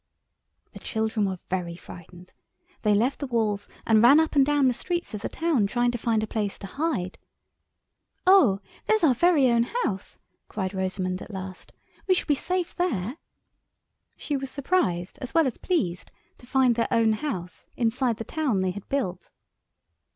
The children were very frightened. They left the walls and ran up and down the streets of the town trying to find a place to hide. "Oh, there's our very own house," cried Rosamund at last; "we shall be safe there." She was surprised as well as pleased to find their own house inside the town they had built.